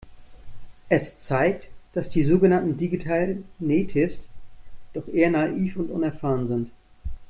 Es zeigt, dass die sogenannten Digital Natives doch eher naiv und unerfahren sind.